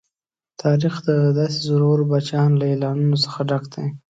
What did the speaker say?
تاریخ د داسې زورورو پاچاهانو له اعلانونو څخه ډک دی.